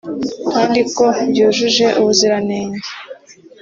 kandi ko byujuje ubuziranenge